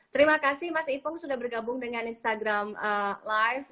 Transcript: terima kasih mas ipong sudah bergabung dengan instagram live